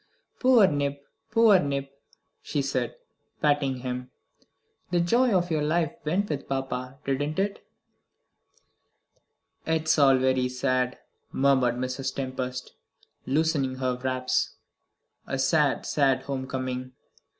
"Poor Nip! poor Nip!" she said, patting him. "The joy of your life went with papa, didn't it?" "It's all very sad," murmured Mrs. Tempest, loosening her wraps. "A sad, sad home coming.